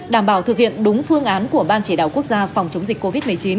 đảm bảo thực hiện đúng phương án của ban chỉ đạo quốc gia phòng chống dịch covid một mươi chín